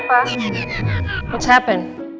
apa yang terjadi